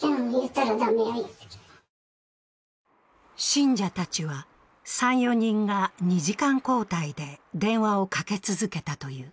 信者たちは３４人が２時間交代で電話をかけ続けたという。